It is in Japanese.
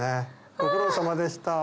ご苦労さまでした。